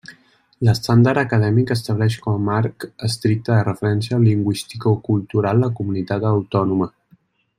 L'estàndard acadèmic estableix com a marc estricte de referència lingüisticocultural la comunitat autònoma.